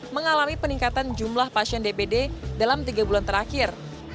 mengalami peningkatan jumlah pasien dpd dalam tiga bulan terakhir